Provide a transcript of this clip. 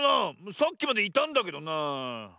さっきまでいたんだけどなあ。